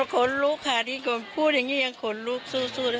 ขนลุกค่ะพูดอย่างนี้ขนลุกซู่